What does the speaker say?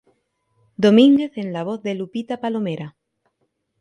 Domínguez en la voz de Lupita Palomera".